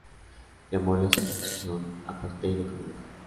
Llamó a la situación "apartheid económico".